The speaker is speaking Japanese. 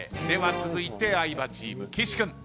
では続いて相葉チーム岸君。